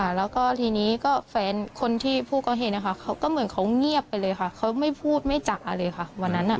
แล้วก็ทีนี้ก็แฟนคนที่ผู้ก่อเหตุนะคะเขาก็เหมือนเขาเงียบไปเลยค่ะเขาไม่พูดไม่จ่าเลยค่ะวันนั้น